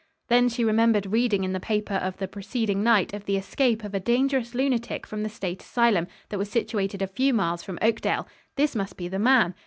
Then she remembered reading in the paper of the preceding night of the escape of a dangerous lunatic from the state asylum, that was situated a few miles from Oakdale. This must be the man.